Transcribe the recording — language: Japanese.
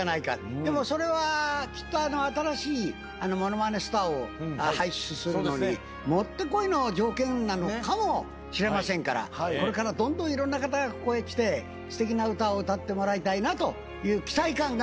でもそれはきっと新しいものまねスターを輩出するのに持ってこいの条件なのかもしれませんからこれからどんどんいろんな方がここへ来てすてきな歌を歌ってもらいたいなという期待感が今日持てました。